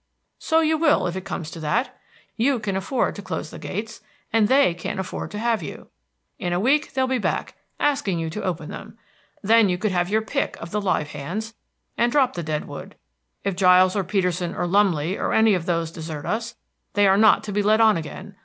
"So you will, if it comes to that. You can afford to close the gates, and they can't afford to have you. In a week they'd be back, asking you to open them. Then you could have your pick of the live hands, and drop the dead wood. If Giles or Peterson or Lumley or any of those desert us, they are not to be let on again.